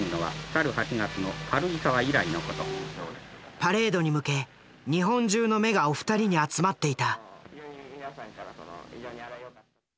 パレードに向け日本中の目がお二人に集まっていた。